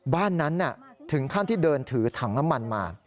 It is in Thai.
บ้านนั้นถึงขั้นที่เดินถือถังน้ำมันมา